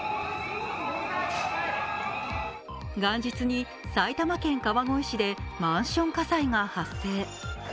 元日に埼玉県川越市でマンション火災が発生。